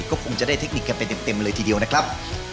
ก็คงจะได้เทคนิคกันไปเต็มเลยทีเดียวนะครับ